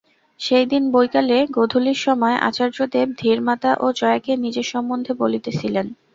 সেইদিন বৈকালে গোধূলির সময় আচার্যদেব ধীরামাতা ও জয়াকে নিজের সম্বন্ধে বলিতেছিলেন।